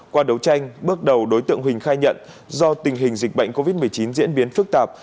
qua đấu tranh bước đầu đối tượng huỳnh khai nhận do tình hình dịch bệnh covid một mươi chín diễn biến phức tạp